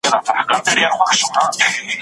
ربه ستا پر ستړې مځکه له ژوندونه یم ستومانه